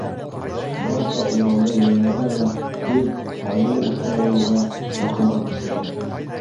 Башта Уралда йәйләргә лә, көҙ, айыу уҫалайыуға, яҡынға күсербеҙ.